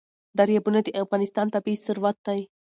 دریابونه د افغانستان طبعي ثروت دی.